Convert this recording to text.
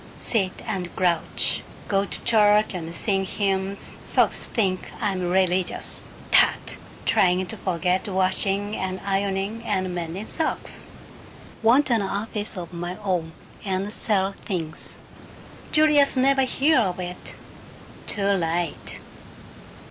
Sit and grouch. Go to church and sing hymns. Folks think I'm religious. Tut! Trying to forget washing and ironing and mending socks. Want an office of my own, and sell things. Julius never hear of it. Too late."